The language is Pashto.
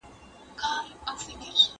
د مسکینانو لاس ونیسئ.